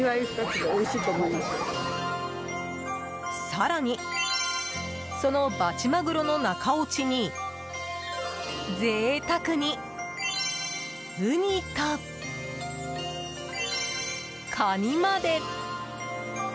更にそのバチマグロの中落ちに贅沢にウニと、カニまで！